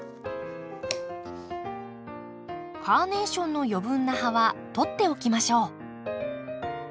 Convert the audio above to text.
カーネーションの余分な葉は取っておきましょう。